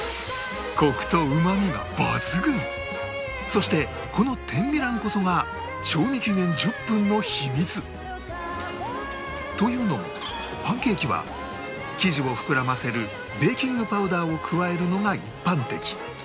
そしてこの天美卵こそが賞味期限１０分の秘密というのもパンケーキは生地を膨らませるベーキングパウダーを加えるのが一般的